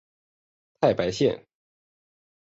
太白线